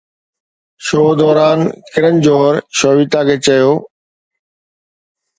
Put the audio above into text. show دوران ڪرن جوهر شويتا کي چيو